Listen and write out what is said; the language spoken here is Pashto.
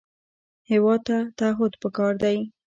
هېواد ته تعهد پکار دی